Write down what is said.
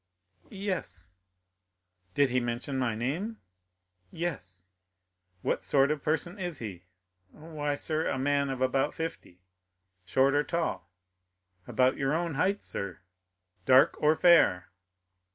"Yes." "Did he mention my name?" "Yes." "What sort of person is he?" "Why, sir, a man of about fifty." "Short or tall?" "About your own height, sir." "Dark or fair?"